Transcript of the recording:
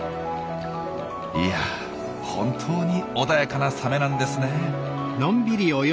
いや本当に穏やかなサメなんですね。